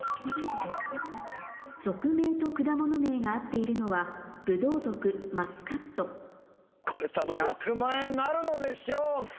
属名と果物名が合っているのはブドウ属マスカット１００万円なるのでしょうか！